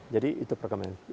jadi itu perkembangannya